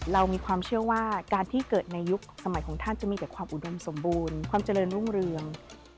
เรามีความเชื่อว่าการที่เกิดในยุคสมัยของท่านจะมีแต่ความอุดมสมบูรณ์ความเจริญรุ่งเรือง